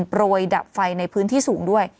โปรยดับไฟในพื้นที่สูงด้วย